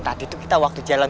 tadi tuh kita waktu jalan